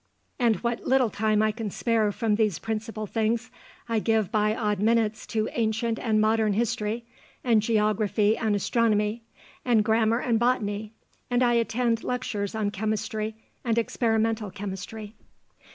And what little time I can spare from these principal things, I give by odd minutes to ancient and modern history, and geography and astronomy, and grammar and botany, and I attend lectures on chemistry, and experimental chemistry."